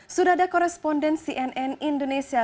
sudah ada koresponden cnn indonesia